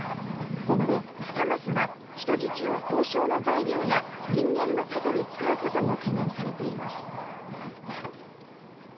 今後、ハマスが人質を交渉の材料や人間の盾に使うことも懸念されています。